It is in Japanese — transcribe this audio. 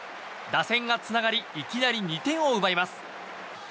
打線がつながりいきなり２点を奪います。